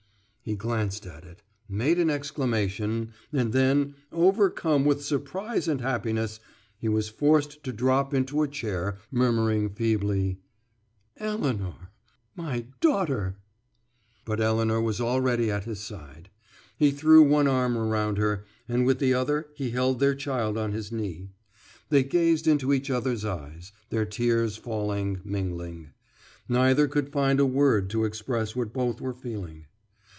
He glanced at it, made an exclamation, and then, overcome with surprise and happiness, he was forced to drop into a chair, murmuring feebly: "Elinor! My daughter!" But Elinor was already at his side. He threw one arm around her, and with the other he held their child on his knee. They gazed into each other's eyes, their tears falling, mingling. Neither could find a word to express what both were feeling.